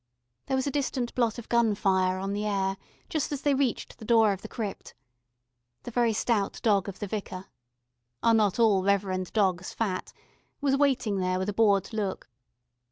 There was a distant blot of gunfire on the air, just as they reached the door of the crypt. The very stout dog of the Vicar (are not all reverend dogs fat?) was waiting there with a bored look.